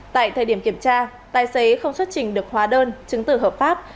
tại thời điểm kiểm tra tài xế không xuất trình được hóa đơn chứng tử hợp pháp